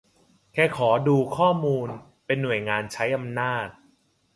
แค่ขอดูข้อมูล เป็นหน่วยงานใช้อำนาจ